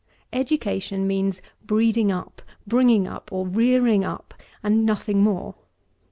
11. Education means breeding up, bringing up, or rearing up; and nothing more.